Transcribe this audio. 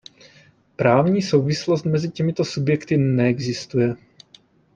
Právní souvislost mezi těmito subjekty neexistuje.